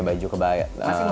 kayak baju kebayang